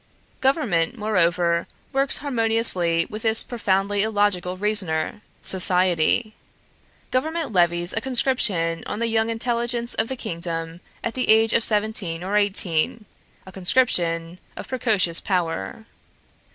Government, moreover, works harmoniously with this profoundly illogical reasoner Society. Government levies a conscription on the young intelligence of the kingdom at the age of seventeen or eighteen, a conscription of precocious power.